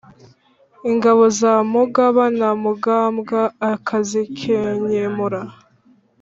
ingabo za mugaba na mugambwa akazikenkemura,